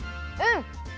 うん。